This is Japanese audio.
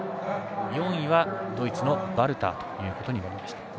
４位は、ドイツのバルターということになりました。